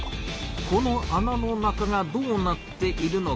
このあなの中がどうなっているのか？